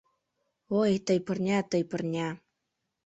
Ой, тый, пырня, тый, пырня